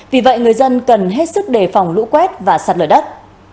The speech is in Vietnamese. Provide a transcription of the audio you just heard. vì vậy người dân cần hết sức đề phòng lũ quét và sạt lở đất